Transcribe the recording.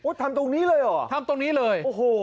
ทำตรงนี้เลยเหรอทำตรงนี้เลยโอ้โห